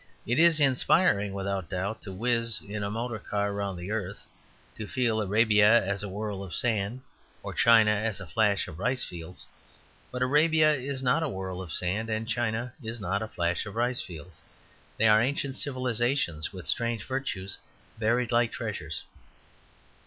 It is inspiriting without doubt to whizz in a motor car round the earth, to feel Arabia as a whirl of sand or China as a flash of rice fields. But Arabia is not a whirl of sand and China is not a flash of rice fields. They are ancient civilizations with strange virtues buried like treasures.